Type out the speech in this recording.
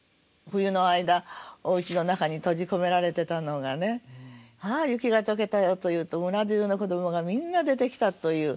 冬の間おうちの中に閉じ込められてたのがねああ雪が解けたよというと村じゅうの子どもがみんな出てきたという。